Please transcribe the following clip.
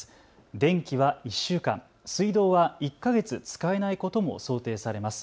電気は１週間、水道は１か月使えないことも想定されます。